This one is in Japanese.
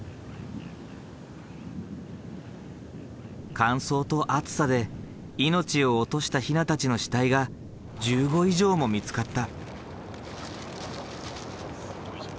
乾燥と暑さで命を落としたヒナたちの死体が１５以上も見つかった。